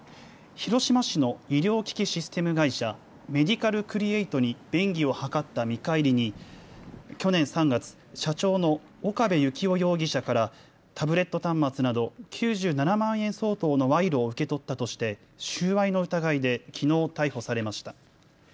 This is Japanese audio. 広島市の医療機器システム会社、メディカルクリエイトに便宜を図った見返りに去年３月、社長の岡部幸夫容疑者からタブレット端末など９７万円相当の賄賂を受け取ったとして収賄の疑いできのう逮捕されました。